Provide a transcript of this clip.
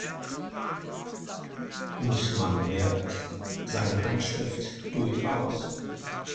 Und man merkt seine Handschrift durchaus.